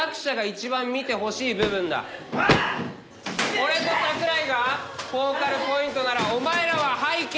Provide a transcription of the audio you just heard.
俺と桜井がフォーカルポイントならお前らは背景。